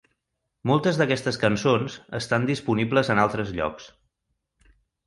Moltes d'aquestes cançons estan disponibles en altres llocs.